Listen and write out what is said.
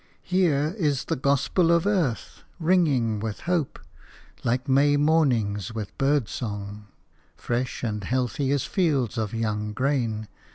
Here is the gospel of earth, ringing with hope, like May mornings with bird song, fresh and healthy as fields of young grain.